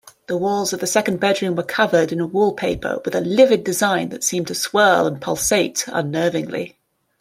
The walls of the second bedroom were covered in a wallpaper with a livid design that seemed to swirl and pulsate unnervingly.